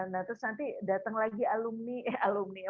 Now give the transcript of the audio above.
nah terus nanti datang lagi alumni eh alumni ya